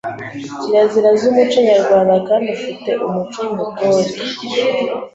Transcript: kirazira z’umuco Nyarwanda kandi ufi te umuco w’Ubutore.